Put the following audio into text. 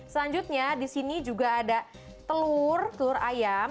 selanjutnya disini juga ada telur telur ayam